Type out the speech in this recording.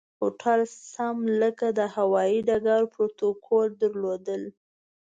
هوټل سم لکه د هوایي ډګر پروتوکول درلود.